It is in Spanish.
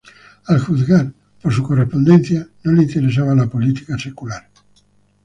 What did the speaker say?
Al juzgar por su correspondencia, no le interesaba la política secular.